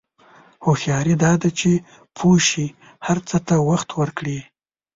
هوښیاري دا ده چې پوه شې هر څه ته وخت ورکړې.